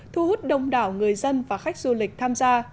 thu hút đông đảo người dân và khách du lịch tham gia